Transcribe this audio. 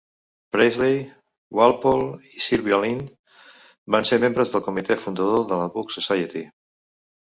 Priestley, Walpole i Sylvia Lynd van ser membres del comitè fundador de la Book Society.